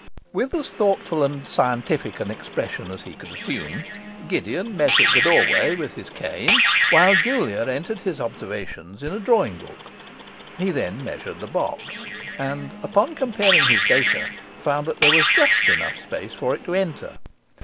With as thoughtful and scientific an expression as he could assume, Gideon measured the doorway with his cane, while Julia entered his observations in a drawing book. He then measured the box, and, upon comparing his data, found that there was just enough space for it to enter.